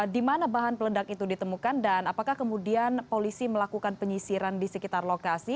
di mana bahan peledak itu ditemukan dan apakah kemudian polisi melakukan penyisiran di sekitar lokasi